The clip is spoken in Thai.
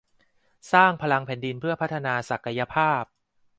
สร้างพลังแผ่นดินเพื่อพัฒนาศักยภาพ